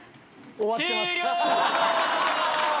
終わってます。